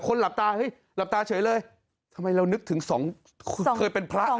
หลับตาเฮ้ยหลับตาเฉยเลยทำไมเรานึกถึงสองเคยเป็นพระ